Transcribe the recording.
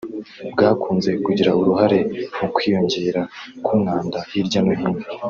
bwakunze kugira uruhare mu kwiyongera k’umwanda hirya no hino